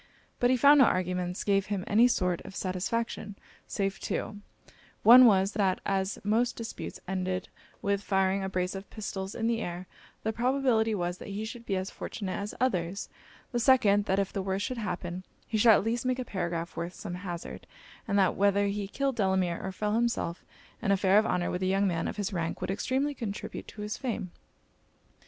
But he found no arguments gave him any sort of satisfaction, save two; one was, that as most disputes ended with firing a brace of pistols in the air, the probability was, that he should be as fortunate as others the second, that if the worst should happen, he should at least make a paragraph worth some hazard: and that whether he killed Delamere, or fell himself, an affair of honour with a young man of his rank would extremely contribute to his fame.